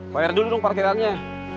bayar dulu dong parkirannya